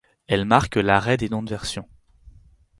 Elle marque l’arrêt des noms de versions.